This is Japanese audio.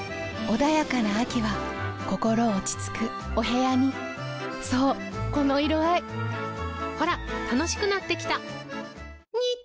穏やかな秋は心落ち着くお部屋にそうこの色合いほら楽しくなってきた！